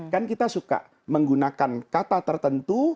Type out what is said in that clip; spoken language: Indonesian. kan kita suka menggunakan kata tertentu